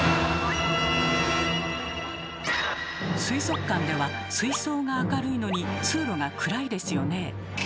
水族館では水槽が明るいのに通路が暗いですよね。